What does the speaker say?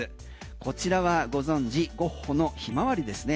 こちらはご存知ゴッホの「ひまわり」ですね